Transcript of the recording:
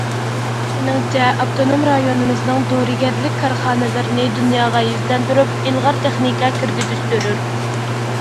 مېنىڭچە، ئاپتونوم رايونىمىزنىڭ دورىگەرلىك كارخانىلىرىنى دۇنياغا يۈزلەندۈرۈپ، ئىلغار تېخنىكا كىرگۈزۈش زۆرۈر.